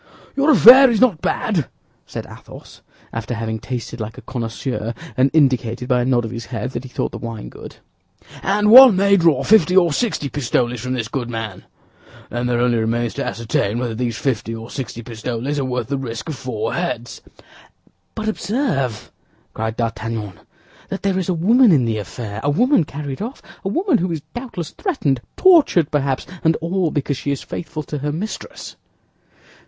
"Your affair is not bad," said Athos, after having tasted like a connoisseur and indicated by a nod of his head that he thought the wine good; "and one may draw fifty or sixty pistoles from this good man. Then there only remains to ascertain whether these fifty or sixty pistoles are worth the risk of four heads." "But observe," cried D'Artagnan, "that there is a woman in the affair—a woman carried off, a woman who is doubtless threatened, tortured perhaps, and all because she is faithful to her mistress."